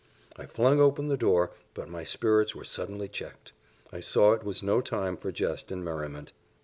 I flung open the door, but my spirits were suddenly checked; I saw it was no time for jest and merriment.